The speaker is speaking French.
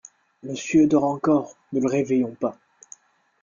Monsieur dort encore… ne le réveillons pas.